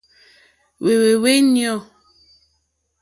Hwɛ́hwɛ̂hwɛ́ ɲû.